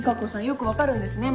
よくわかるんですね